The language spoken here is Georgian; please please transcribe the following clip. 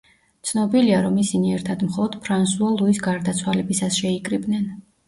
ცნობილია, რომ ისინი ერთად მხოლოდ ფრანსუა ლუის გარდაცვალებისას შეიკრიბნენ.